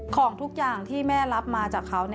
ของทุกอย่างที่แม่รับมาจากเขา